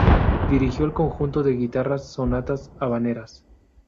Dirigió el conjunto de guitarras "Sonatas Habaneras".